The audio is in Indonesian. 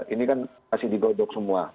ini kan masih digodok semua